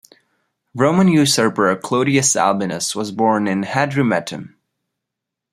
Roman usurper Clodius Albinus was born in Hadrumetum.